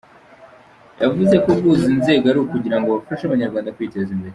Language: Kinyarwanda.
Yavuze ko guhuza izi nzego ari ukugira ngo bafashe Abanyarwanda kwiteza imbere.